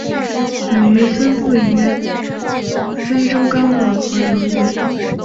本鱼分布于非洲刚果河流域。